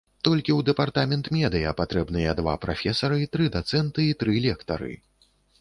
Толькі ў дэпартамент медыя патрэбныя два прафесары, тры дацэнты і тры лектары.